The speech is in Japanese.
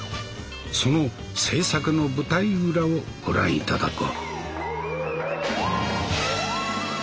その制作の舞台裏をご覧頂こう。